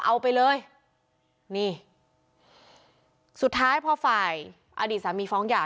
เอาไปเลยนี่สุดท้ายพอฝ่ายอดีตสามีฟ้องหย่า